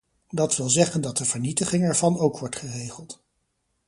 Dat wil zeggen dat de vernietiging ervan ook wordt geregeld.